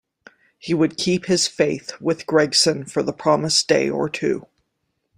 He would keep his faith with Gregson for the promised day or two.